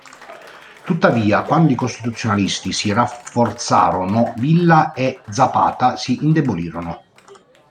Tuttavia quando i Costituzionalisti si rafforzarono, Villa e Zapata si indebolirono.